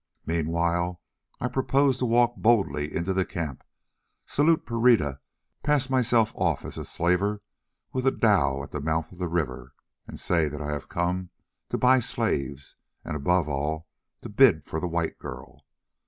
Meanwhile I propose to walk boldly into the camp, salute Pereira, pass myself off as a slaver with a dhow at the mouth of the river, and say that I have come to buy slaves, and above all to bid for the white girl.